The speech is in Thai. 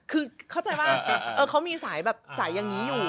คือเข้าใจว่าเขามีสายแบบสายอย่างนี้อยู่